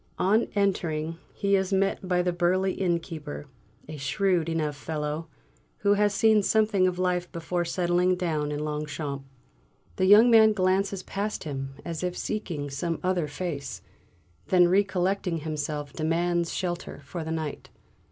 On entering, he is met by the burly innkeeper, a shrewd enough fellow, who has seen something of life before settling down in Longchamps. The young man glances past him as if seeking some other face, then recollecting himself demands shelter for the night.